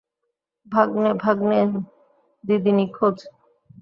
ভাগ্নে, ভাগ্নে, দিদি নিখোঁজ!